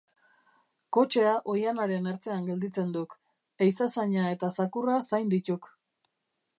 Kotxea oihanaren ertzean gelditzen duk, ehiza-zaina eta zakurra zain dituk.